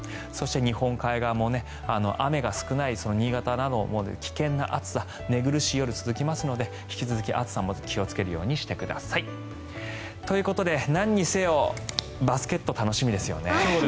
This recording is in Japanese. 日本海側も雨が少ない新潟なども危険な暑さ、寝苦しい夜が続きますので引き続き暑さ、気をつけるようにしてください。ということでなんにせよバスケット楽しみですよね。